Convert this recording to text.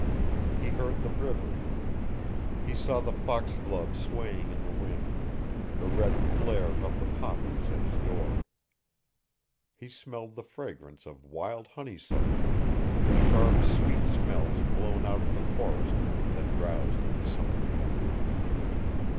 He heard the river. He saw the foxglove swaying in the wind, the red flare of the poppies at his door. He smelled the fragrance of wild honeysuckle, the sharp, sweet smells blown out of the forest that drowsed in the summer heat.